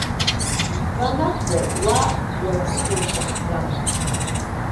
Избан акәзар, уа уажәы уаҩ дахӡам!